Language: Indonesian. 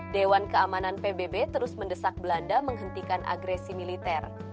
dewan keamanan pbb terus mendesak belanda menghentikan agresi militer